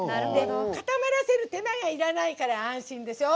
固まらせる手間がいらないから安心でしょ。